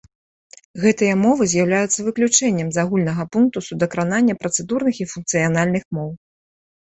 Гэтыя мовы з'яўляюцца выключэннем з агульнага пункту судакранання працэдурных і функцыянальных моў.